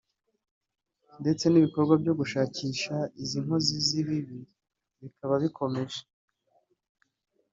ndetse n’ibikorwa byo gushakisha izi nkozi z’ibibi bikaba bikomeje